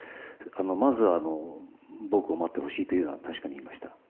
まずは、僕を待ってほしいというのは確かに言いました。